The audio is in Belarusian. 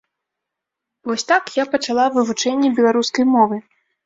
Вось так я пачала вывучэнне беларускай мовы.